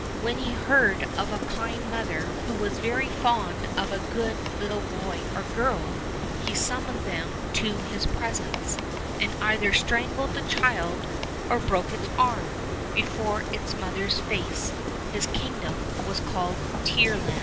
When he heard of a kind mother who was very fond of a good little boy or girl, he summoned them to his presence, and either strangled the child, or broke its arms, before its mother's face* Hii kingom was called Tearland.